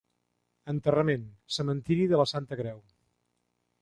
Enterrament: Cementeri de la Santa Creu.